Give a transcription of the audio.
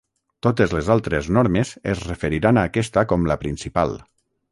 Totes les altres normes es referiran a aquesta com la principal.